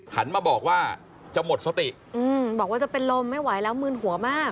หันมาบอกว่าจะหมดสติอืมบอกว่าจะเป็นลมไม่ไหวแล้วมืนหัวมาก